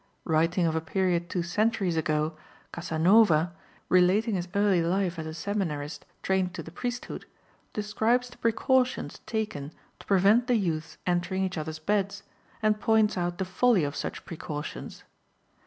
Writing of a period two centuries ago, Casanova, in relating his early life as a seminarist trained to the priesthood, describes the precautions taken to prevent the youths entering each other's beds, and points out the folly of such precautions.